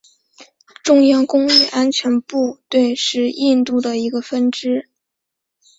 中央工业安全部队是印度一个分支。